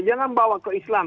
jangan bawa ke islam